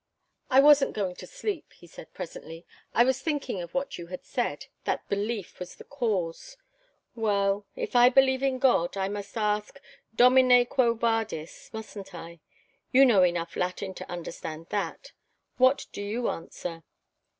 "I wasn't going to sleep," he said, presently. "I was thinking of what you had said, that belief was the cause. Well if I believe in God, I must ask, 'Domine quo vadis?' mustn't I? You know enough Latin to understand that. What do you answer?"